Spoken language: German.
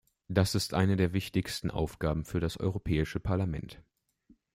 Das ist eine der wichtigsten Aufgaben für das Europäische Parlament.